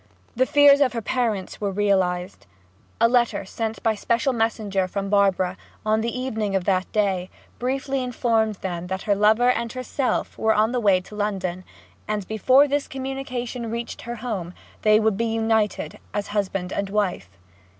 The fears of her parents were realized. A letter sent by special messenger from Barbara, on the evening of that day, briefly informed them that her lover and herself were on the way to London, and before this communication reached her home they would be united as husband and wife.